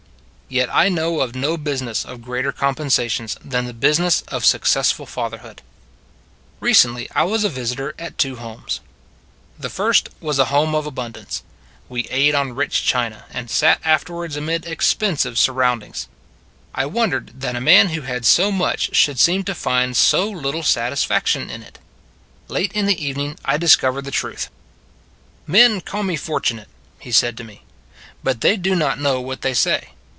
Yet I know of no business of greater compensations than the business of success ful fatherhood. Recently I was a visitor at two homes. A Soft Spot for Joseph 93 The first was a home of abundance; we ate on rich china, and sat afterwards amid expensive surroundings. I wondered that a man who had so much should seem to find so little satisfaction in it. Late in the evening I discovered the truth. " Men call me fortunate," he said to me, " but they do not know what they say.